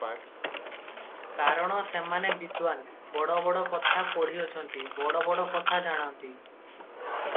କାରଣ ସେମାନେ ବିଦ୍ୱାନ୍, ବଡ଼ ବଡ଼ କଥା ପଢ଼ିଅଛନ୍ତି, ବଡ଼ ବଡ଼ କଥା ଜାଣନ୍ତି ।